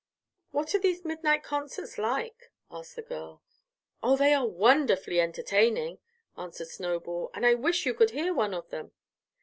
"What are these midnight concerts like?" asked the girl. "Oh, they are wonderfully entertaining," answered Snowball, "and I wish you could hear one of them.